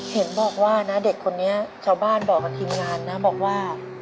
เห็นบอกว่านะเด็กคนนี้ชาวบ้านบอกกับทีมงานนะบอกว่า